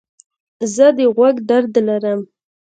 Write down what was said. زه د غوږ درد لرم.